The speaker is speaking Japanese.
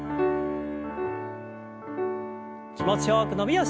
気持ちよく伸びをして。